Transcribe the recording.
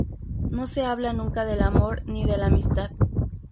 No se habla nunca del amor ni de la amistad.